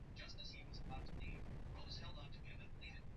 unapokuwa na baraza kubwa la mawaziri maana yake ni kuna watu wengi